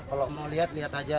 kalau mau lihat lihat aja